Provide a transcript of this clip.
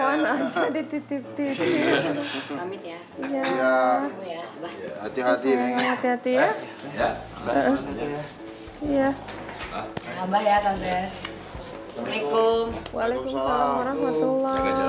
panas jadi titip titip ya hati hati ya ya ya abah ya tante waalaikumsalam warahmatullah